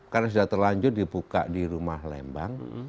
karena sudah terlanjur dibuka di rumah lembang